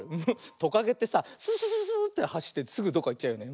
トカゲってさススススーッてはしってすぐどっかいっちゃうよね。